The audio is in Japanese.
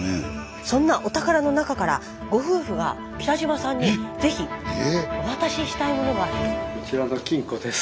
そんなお宝の中からご夫婦が北島さんに是非お渡ししたいものがあると。